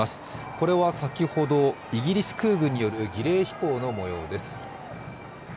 これは先ほど、イギリス空軍による儀礼飛行の模様です。